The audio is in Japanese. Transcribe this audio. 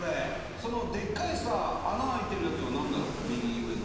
そのでっかいさ穴開いてるやつは、なんだろう？右上の。